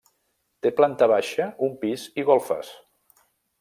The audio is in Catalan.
Té planta baixa, un pis i golfes.